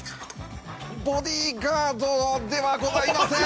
「ボディーガード」ではございません。